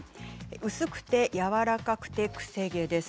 薄くてやわらかくて癖毛です。